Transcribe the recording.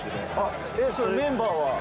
それメンバーは？